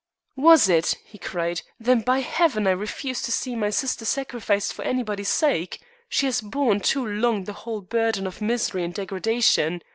"Was it?" he cried. "Then, by Heaven, I refuse to see my sister sacrificed for anybody's sake. She has borne too long the whole burden of misery and degradation.